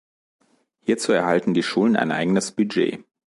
Hierzu erhalten die Schulen ein eigenes Budget.